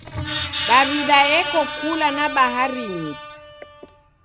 Daw'ida eko kula na baharinyi.